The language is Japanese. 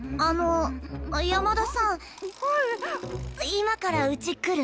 今からうち来る？